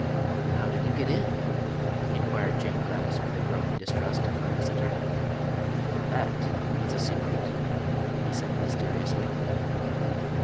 "How did you get in?" inquired Jane Gladys, with a growing distrust of her visitor. "That is a secret," he said, mysteriously.